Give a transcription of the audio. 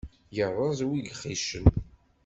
Iṛṛeẓ wi gxicen.